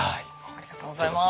ありがとうございます。